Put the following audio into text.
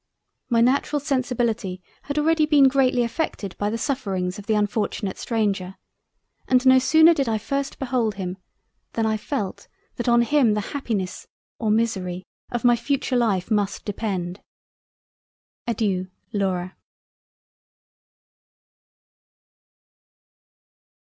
My natural sensibility had already been greatly affected by the sufferings of the unfortunate stranger and no sooner did I first behold him, than I felt that on him the happiness or Misery of my future Life must depend. Adeiu. Laura.